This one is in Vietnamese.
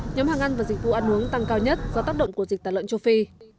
nhóm hàng ăn và dịch vụ ăn uống tăng cao nhất do tác động của dịch tả lợn châu phi